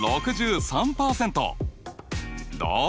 どう？